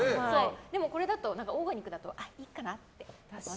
でもこれだとオーガニックだといいかなって。